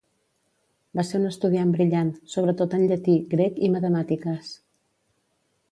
Va ser un estudiant brillant, sobretot en llatí, grec i matemàtiques.